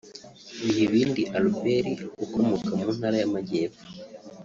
Bihibindi Albert ukomoka mu ntara y’Amajyepfo